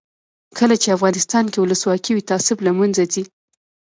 کله چې افغانستان کې ولسواکي وي تعصب له منځه ځي.